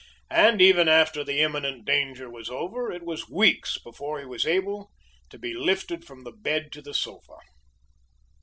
And even after the imminent danger was over, it was weeks before he was able to be lifted from the bed to the sofa.